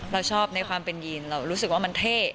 เราชอบในความเป็นยีนเรารู้สึกว่ามันเท่